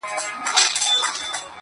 دغه اوږده شپه تر سهاره څنگه تېره كړمه .